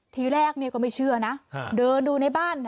ทีแรกก็ไม่เชื่อนะเดินดูในบ้าน